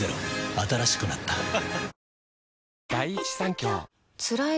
新しくなったふぅ